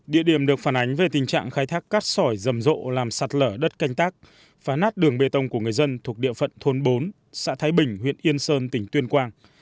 địa điểm được phản ánh về tình trạng khai thác cát sỏi dầm rộ làm sạt lở đất canh tác phá nát đường bê tông của người dân thuộc địa phận thôn bốn xã thái bình huyện yên sơn tỉnh tuyên quang